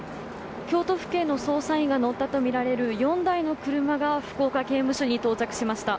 京都府警の捜査員が乗ったとみられる４台の車が福岡刑務所に到着しました。